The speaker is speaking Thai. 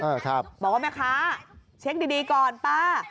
บอกว่าแม่ค้าเช็คดีก่อนป้า